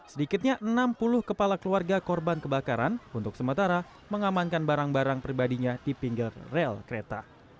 sedikitnya enam puluh kepala keluarga korban kebakaran untuk sementara mengamankan barang barang pribadinya di pinggir rel kereta